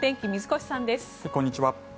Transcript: こんにちは。